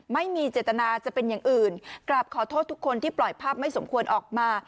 ไม่มีเจตนาจะเป็นอย่างอื่นกลับขอโทษทุกคนที่ปล่อยภาพไม่สมควรออกมา